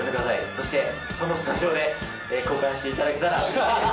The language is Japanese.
そしてそのスタジオで交換していただけたらうれしいです。